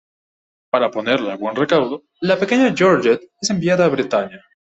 Para ponerla a buen recaudo, la pequeña Georgette es enviada a Bretaña.